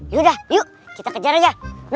yaudah yuk kita kejar aja